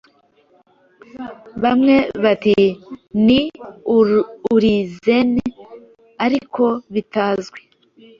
Bamwe bati 'Ni Urizeni Ariko bitazwi,